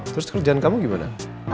terus kerjaan kamu gimana